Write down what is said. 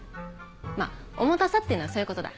まぁ重たさっていうのはそういうことだ。